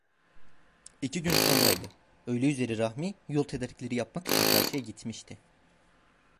İki gün sonraydı; öğle üzeri Rahmi yol tedarikleri yapmak için çarşıya gitmişti.